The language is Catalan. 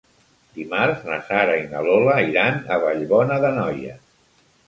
Dimarts na Sara i na Lola iran a Vallbona d'Anoia.